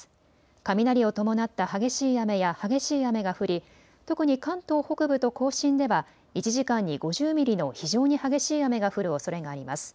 雷を伴った激しい雨や激しい雨が降り、特に関東北部と甲信では１時間に５０ミリの非常に激しい雨が降るおそれがあります。